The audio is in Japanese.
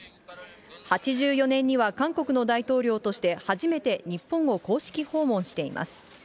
８４年には韓国の大統領として初めて日本を公式訪問しています。